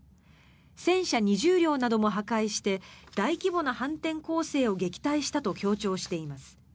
戦車２０両なども破壊して大規模な反転攻勢を撃退したと強調しています。